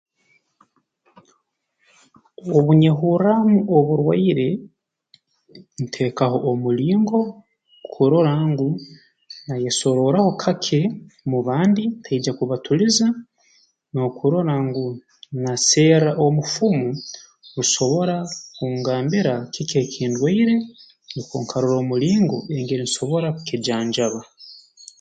Obu nyehurraamu oburwaire nteekaho omulingo kurora ngu nayesorooraho kake mu bandi ntaija kubatuliza n'okurora ngu naserra omufumu rusobora kungambira kiki eki ndwaire nukwo nkarora omulingo engeri nsobora kukijanjaba